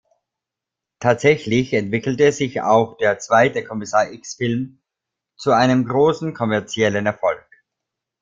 Tatsächlich entwickelte sich auch der zweite Kommissar-X-Film zu einem großen kommerziellen Erfolg.